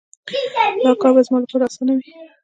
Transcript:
دا کار به زما لپاره اسانه وي